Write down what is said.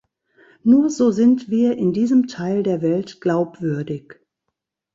Nur so sind wir in diesem Teil der Welt glaubwürdig.